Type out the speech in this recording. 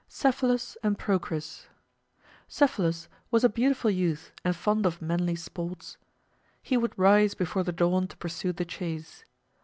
CEPHALUS AND PROCRIS Cephalus was a beautiful youth and fond of manly sports. He would rise before the dawn to pursue the chase.